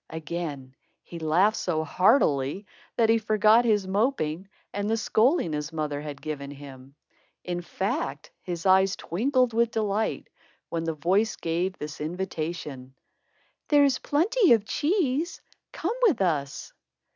Again, he laughed so heartily, that he forgot his moping and the scolding his mother had given him. In fact, his eyes twinkled with delight, when the voice gave this invitation: "There's plenty of cheese. Come with us."